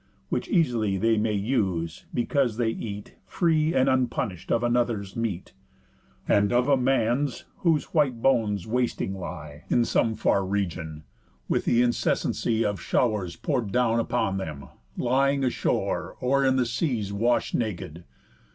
Which eas'ly they may use, because they eat, Free and unpunish'd, of another's meat; And of a man's, whose white bones wasting lie In some far region; with th' incessancy Of show'rs pour'd down upon them, lying ashore, Or in the seas wash'd nak'd.